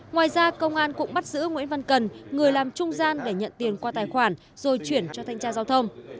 ngoài ra công an cũng bắt giữ nguyễn văn cần người làm trung gian để nhận tiền qua tài khoản rồi chuyển cho thanh tra giao thông